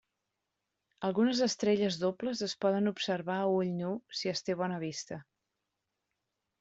Algunes estrelles dobles es poden observar a ull nu si es té bona vista.